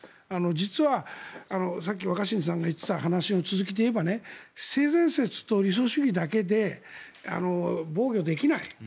実は、さっき若新さんが言っていた話の続きでいえば性善説と理想主義だけで防御できない。